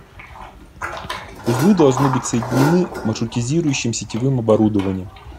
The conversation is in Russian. Узлы должны быть соединены маршрутизирующим сетевым оборудованием